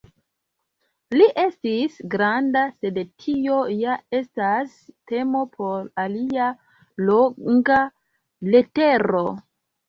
Li estis granda, sed tio ja estas temo por alia, longa letero.